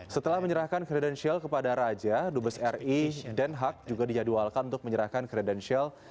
setelah menyerahkan kredensial kepada raja dubes ri den haag juga dijadwalkan untuk menyerahkan kredensial